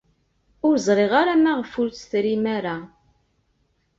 Ur ẓriɣ ara maɣef ur tt-trim ara.